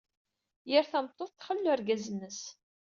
Yir tameṭṭut txellu argaz-nnes.